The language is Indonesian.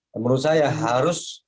menurut saya harus